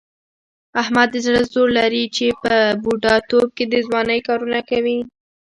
احمد د زړه زور لري، چې په بوډا توب کې د ځوانۍ کارونه کوي.